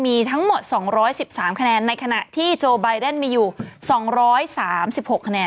มีทั้งหมด๒๑๓คะแนนในขณะที่โจไบเดนมีอยู่๒๓๖คะแนน